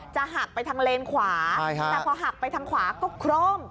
หักไปทางเลนขวาแต่พอหักไปทางขวาก็โคร่ม